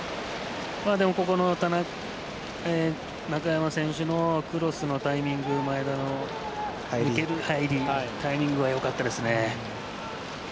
でも、中山選手のクロスのタイミング前田の入り、タイミングは良かったですね。